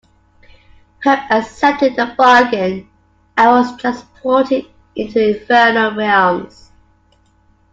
Hope accepted the bargain and was transported into the infernal realms.